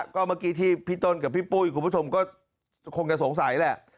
ก็เมื่อกี้ที่พี่ต้นกับพี่ปุ้ยคุณผู้ชมก็คงจะสงสัยแหละ